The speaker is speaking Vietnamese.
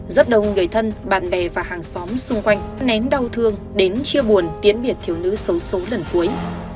rất đông người thân bạn bè và hàng xóm xung quanh nén đau thương đến chia buồn tiến biệt thiếu nữ xấu xố lần cuối